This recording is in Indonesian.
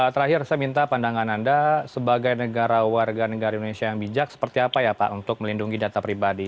terakhir saya minta pandangan anda sebagai negara warga negara indonesia yang bijak seperti apa ya pak untuk melindungi data pribadi